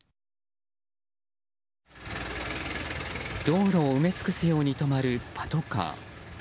道路を埋め尽くすように止まるパトカー。